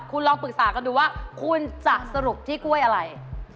คุณลองปรึกษากันดูว่าคุณจะสรุปที่กล้วยอะไร